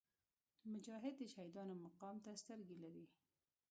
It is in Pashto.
مجاهد د شهیدانو مقام ته سترګې لري.